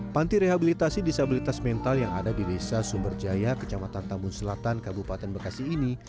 panti rehabilitasi disabilitas mental yang ada di desa sumberjaya kecamatan tambun selatan kabupaten bekasi ini